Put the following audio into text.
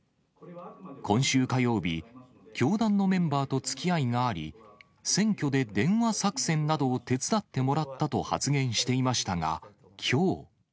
今週火曜日、教団のメンバーとつきあいがあり、選挙で電話作戦などを手伝ってもらったと発言していましたが、きょう。